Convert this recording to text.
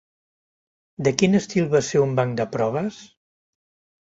De quin estil va ser un banc de proves?